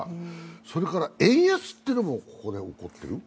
それから円安ってのもここで起こってる。